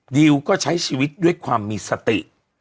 ดิวก็ใช้ชีวิตด้วยความมีสติ